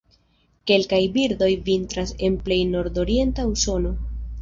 Kelkaj birdoj vintras en plej nordorienta Usono.